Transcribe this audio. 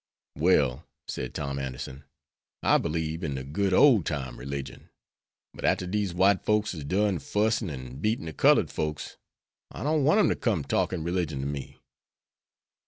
"Well," said Tom Anderson, "I belieb in de good ole time religion. But arter dese white folks is done fussin' and beatin' de cullud folks, I don't want 'em to come talking religion to me.